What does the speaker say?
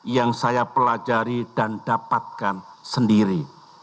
yang saya pelajari dan dapatkan sendiri